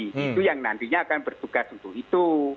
itu yang nantinya akan bertugas untuk itu